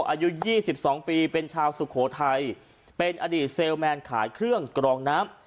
อายุ๒๒ปีเป็นชาวสุโขทัยเป็นอดีตเซลแมนขายเครื่องกรองน้ำ